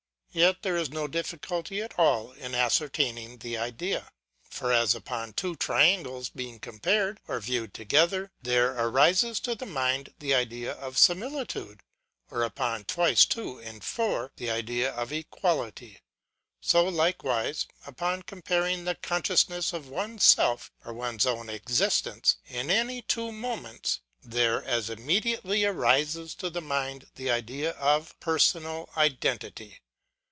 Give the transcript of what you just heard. Yet there is no difficulty at all in ascertaining the idea. For as, upon two triangles being compared or viewed together, there arises to the mind the idea of similitude ; or upon twice two and four, the idea of equality : so likewise, upon comparing the consciousness of one's self or one's own existence, in any two moments, there as immediately arises to the mind the idea of personal identity.